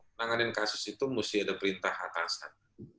menanganin kasus itu mesti ada perintah atasan